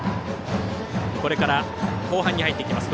これから後半に入っていきます。